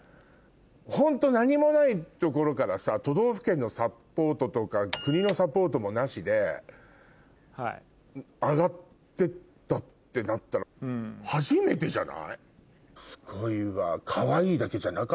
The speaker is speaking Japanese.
ホント何もないところからさ都道府県のサポートとか国のサポートもなしで上がってったってなったら初めてじゃない？